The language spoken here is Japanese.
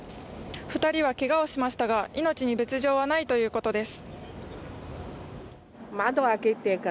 ２人はけがをしましたが命に別状はないということです。